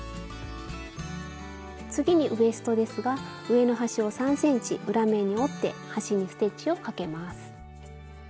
次にウエストですが上の端を３ｃｍ裏面に折って端にステッチをかけます。